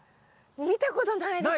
見たことないです。